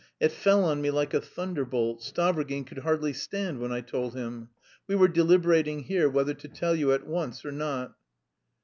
it fell on me like a thunderbolt. Stavrogin could hardly stand when I told him. We were deliberating here whether to tell you at once or not?"